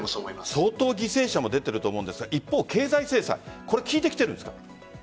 相当、犠牲者も出ていると思うんですが一方、経済制裁効いてきているんですか？